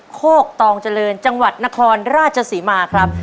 โคกตองเจริญจังหวัดนครราชศรีมาครับ